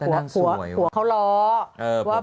ทุนท้ายค่อยถ้อน้องลูกแล้วแฟบ